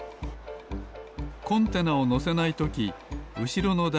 コンテナをのせないときうしろのだ